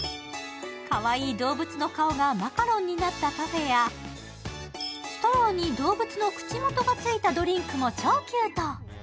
かわいいどうぶつの顔がマカロンになったパフェやストローに動物の口元がついたドリンクも超キュート。